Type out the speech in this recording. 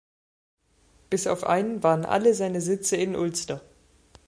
Bis auf einen waren alle seine Sitze in Ulster.